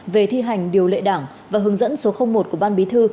về thi hành điều lệ đảng và hướng dẫn số một của ban bí thư